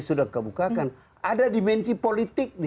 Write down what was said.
sudah kebukakan ada dimensi politik di